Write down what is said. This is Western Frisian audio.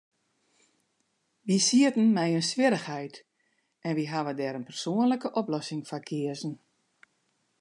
Wy sieten mei in swierrichheid, en wy hawwe dêr in persoanlike oplossing foar keazen.